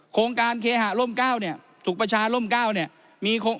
โครงการสุขประชาร่วมเก้าเนี่ย